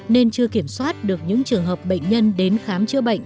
nên chưa kiểm soát được những trường hợp bệnh nhân đến khám chữa bệnh